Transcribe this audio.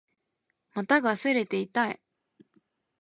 股が擦れて痛い